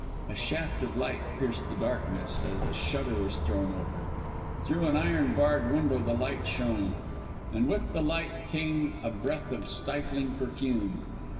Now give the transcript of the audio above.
A shaft of light pierced the darkness, as a shutter was thrown open. Through an iron barred window the light shone; and with the light came a breath of stifling perfume.